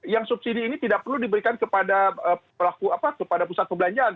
yang subsidi ini tidak perlu diberikan kepada pelaku kepada pusat perbelanjaan